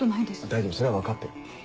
大丈夫それは分かってる。